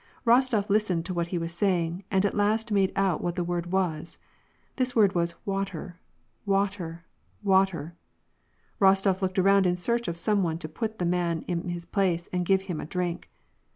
Eostof listened to what he was saying, and at last made out what the word was : this word was " water — water — water !" Kostof looked around in search of some one to put the man in his place and give him a drink.